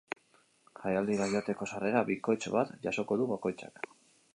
Jaialdira joateko sarrera bikoitz bat jasoko du bakoitzak.